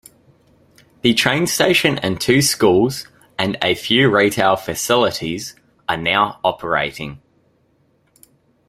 The train station and two schools, and a few retail facilities, are now operating.